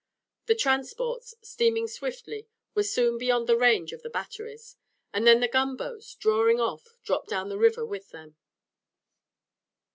The transports, steaming swiftly, were soon beyond the range of the batteries, and then the gun boats, drawing off, dropped down the river with them.